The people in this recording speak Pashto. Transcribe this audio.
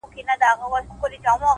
داسي يوه چا لكه سره زر تر ملا تړلى يم؛